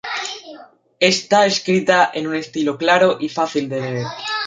Está escrita en un estilo claro y fácil de leer.